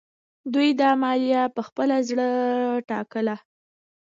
دوی دا مالیه په خپل زړه ټاکله.